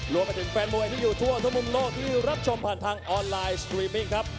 รวมไปถึงแฟนมวยที่อยู่ทั่วทุกมุมโลกที่รับชมผ่านทางออนไลน์สตรีมิ้งครับ